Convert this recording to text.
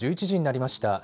１１時になりました。